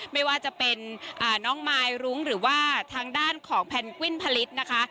ไม่ว่าจะเป็นน้องมายรุ้งหรือว่าทางด้านของแพนกวิ้นผลิตนะคะ